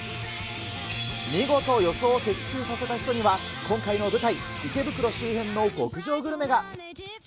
見事、予想を的中させた人には、今回の舞台、池袋周辺の極上グルメが。